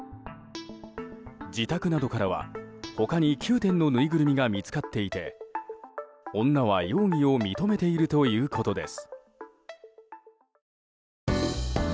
自宅などからは他に９点のぬいぐるみが見つかっていて女は容疑を認めているということです。